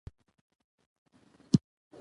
ډهلي ته د ابدالي د رسېدلو رپوټونو سره سم امر وشي.